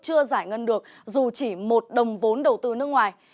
chưa giải ngân được dù chỉ một đồng vốn đầu tư nước ngoài